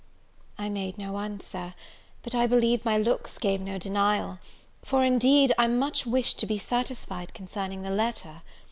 I made no answer, but I believe my looks gave no denial; for, indeed, I much wished to be satisfied concerning the letter.